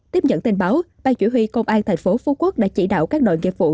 tiếp nhận tin báo ban chủ huy công an thành phố phú quốc đã chỉ đạo các đội nghiệp vụ